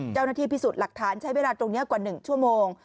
เจ้าหน้าที่พิสูจน์หลักฐานใช้เวลาตรงนี้กว่า๑ชั่วโมง